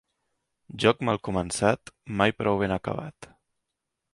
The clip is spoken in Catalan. Joc mal començat mai prou ben acabat.